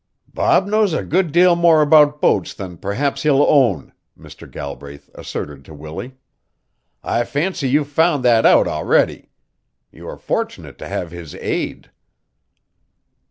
"Bob knows a good deal more about boats than perhaps he'll own," Mr. Galbraith asserted to Willie. "I fancy you've found that out already. You are fortunate to have his aid."